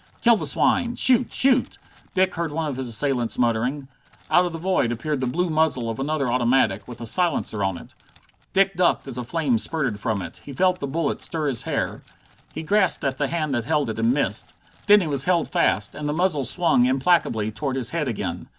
"Kill the swine! Shoot! Shoot!" Dick heard one of his assailants muttering. Out of the void appeared the blue muzzle of another automatic, with a silencer on it. Dick ducked as a flame spurted from it. He felt the bullet stir his hair. He grasped at the hand that held it, and missed. Then he was held fast, and the muzzle swung implacably toward his head again.